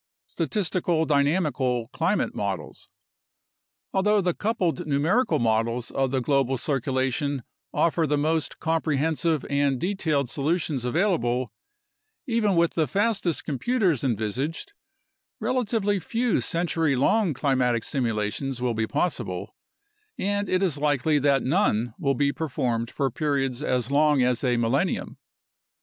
Statistical Dynamical Climate Models Although the coupled numeri cal models of the global circulation offer the most comprehensive and detailed solutions available, even with the fastest computers envisaged relatively few century long climatic simulations will be possible, and it is likely that none will be performed for periods as long as a millenium.